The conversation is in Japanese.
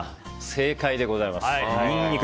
正解でございます。